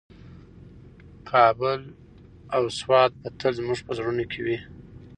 کابل او سوات به تل زموږ په زړونو کې وي.